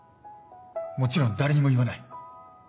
もちろん誰にも言わない。